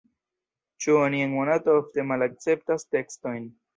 Ĉu oni en Monato ofte malakceptas tekstojn?